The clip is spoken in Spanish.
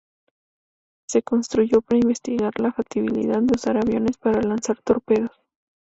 Se construyó para investigar la factibilidad de usar aviones para lanzar torpedos.